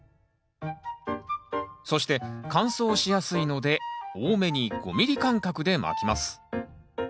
そして乾燥しやすいので多めに５ｍｍ間隔でまきます